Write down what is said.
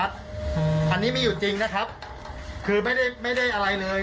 คือไม่ได้อะไรเลย